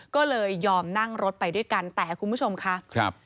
ก็เลยยอมนั่งรถไปด้วยกันแต่คุณผู้ชมค่ะครับ